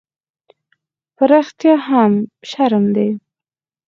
_په رښتيا هم، شرم دی؟